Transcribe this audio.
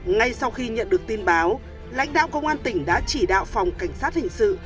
ngay sau khi nhận được tin báo lãnh đạo công an tỉnh đã chỉ đạo phòng cảnh sát hình sự